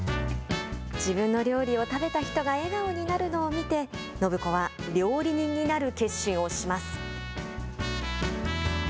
自分の料理を食べた人が笑顔になるのを見て暢子は料理人になる決心をします。